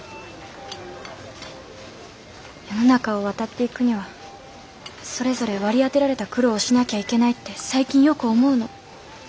世の中を渡っていくにはそれぞれ割り当てられた苦労をしなきゃいけないって最近よく思うの。